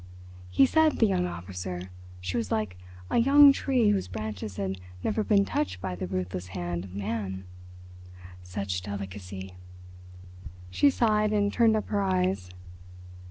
He said, the young officer, she was like a young tree whose branches had never been touched by the ruthless hand of man. Such delicacy!" She sighed and turned up her eyes.